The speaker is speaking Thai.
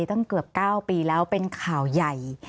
ตั้งเกือบ๙ปีแล้วเป็นข่าวใหญ่